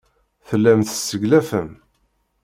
Tellam tesseglafem.